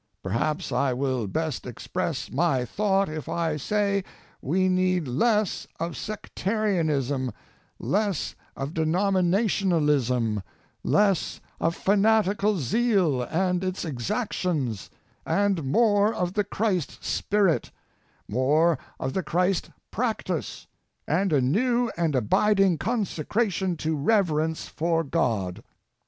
Perhaps I will best express my thought if I say we need less of sec tarianism^ less of denominationalism, less of fanatical zeal and its exactions, and more of the Christ spirit, more of the Christ practice, and a new and abiding consecration to reverence for God.